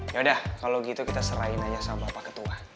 yaudah kalau gitu kita serahin aja sama bapak ketua